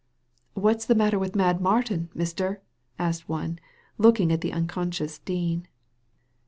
"What's the matter with Mad Martin, mister?" asked one, looking at the unconscious Dean.